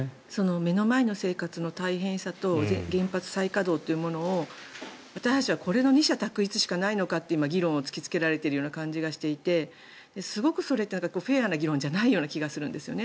目の前の生活の大変さと原発再稼働というものを私たちはこれの二者択一しかないのかと今、議論を突き付けられているような感じがしてすごくそれってフェアな議論じゃない気がするんですね。